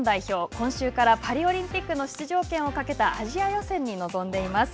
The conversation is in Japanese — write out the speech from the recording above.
今週からパリオリンピックの出場権をかけたアジア予選に臨んでいます。